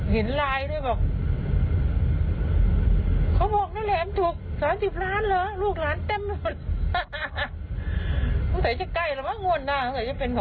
เห็นไลน์ด้วยบอก